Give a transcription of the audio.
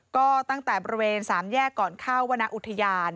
ก็ตั้งแต่บริเวณ๓แยกก่อนเข้าวรรณอุทยาน